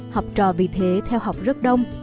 học trò vì thế theo học rất đông